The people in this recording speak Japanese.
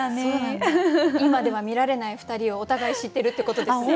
今では見られない２人をお互い知ってるってことですね。